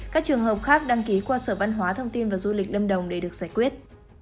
các trường hợp khác đăng ký qua sở văn hóa thông tin và du lịch lâm đồng để được giải quyết